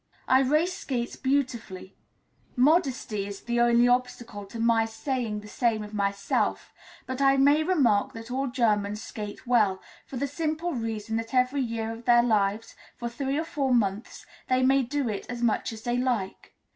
Irais skates beautifully: modesty is the only obstacle to my saying the same of myself; but I may remark that all Germans skate well, for the simple reason that every year of their lives, for three or four months, they may do it as much as they like.